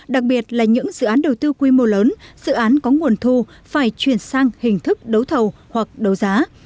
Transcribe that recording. đặc biệt là những dự án đầu tư quy mô lớn dự án có nguồn thu phải chuyển sang hình thức đấu thầu hoặc đấu giá